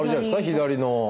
左の。